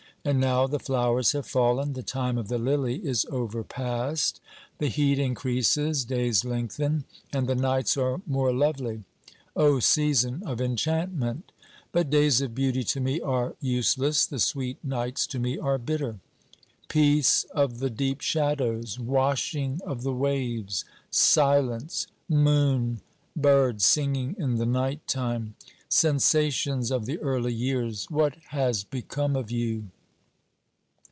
And now the flowers have fallen, the time of the lily is over passed ; the heat increases, days lengthen, and the nights are more lovely. 0 season of enchantment ! But days of beauty to me are useless, the sweet nights to me are bitter. Peace of the deep shadows ! Washing of the waves ! Silence! Moon! Birds singing in the night time ! Sensations of the early years, what has become of you